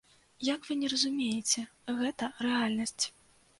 Як вы не разумееце, гэта рэальнасць.